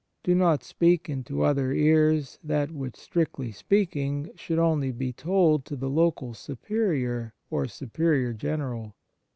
Do not speak into other ears that which, strictly speaking, should only be told to the local Superior or Superior General.